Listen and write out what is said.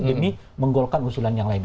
demi menggolkan usulan yang lain